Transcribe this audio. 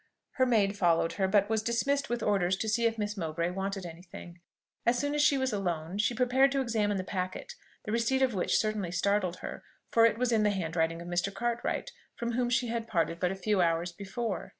Her maid followed her, but was dismissed with orders to see if Miss Mowbray wanted any thing. As soon as she was alone, she prepared to examine the packet, the receipt of which certainly startled her, for it was in the handwriting of Mr. Cartwright, from whom she had parted but a few hours before.